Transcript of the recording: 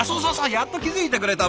やっと気付いてくれた！